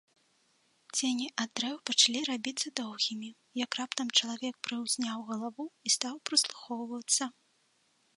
Цені ад дрэў пачалі рабіцца доўгімі, як раптам чалавек прыўзняў галаву і стаў прыслухоўвацца.